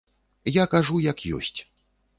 Я кажу як ёсць.